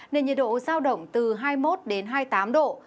nên nhiệt độ giao động từ hai mươi một đến hai mươi tám độ